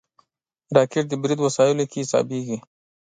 راکټ د برید وسایلو کې حسابېږي